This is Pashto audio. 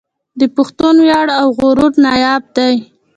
د پښتون وياړ او غرور ناياب دی